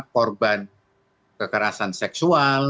korban kekerasan seksual